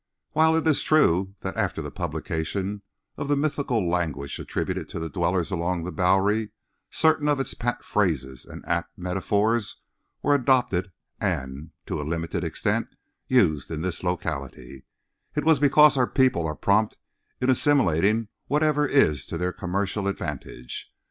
While it is true that after the publication of the mythical language attributed to the dwellers along the Bowery certain of its pat phrases and apt metaphors were adopted and, to a limited extent, used in this locality, it was because our people are prompt in assimilating whatever is to their commercial advantage.